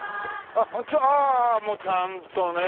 ああもうちゃんとね。